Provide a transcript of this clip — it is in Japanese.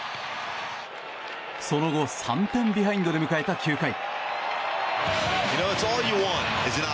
その後、３点ビハインドで迎えた９回。